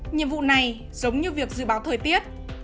nhiệm vụ này giống như việc dự báo thời tiết